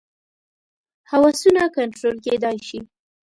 هوسونه کنټرول کېدای شي.